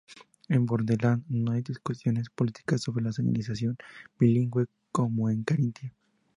En Burgenland no hay discusiones políticas sobre la señalización bilingüe como en Carintia.